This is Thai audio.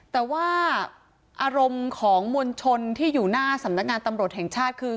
แต่ว่าอารมณ์ของมวลชนที่อยู่หน้าสำนักงานตำรวจแห่งชาติคือ